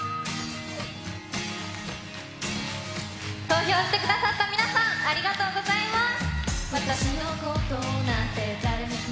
投票してくださった皆さん、ありがとうございます。